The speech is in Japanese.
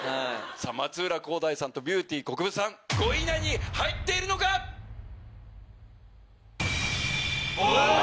松浦航大さんとビューティーこくぶさん５位以内に入っているのか⁉お！